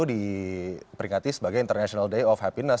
diperingati sebagai international day of happines